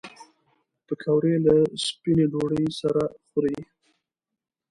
پکورې له سپینې ډوډۍ سره ښه خوري